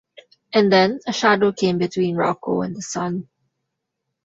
And then a shadow came between Rocco and the sun.